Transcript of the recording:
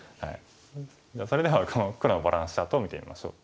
じゃあそれではこの黒のバランスチャートを見てみましょう。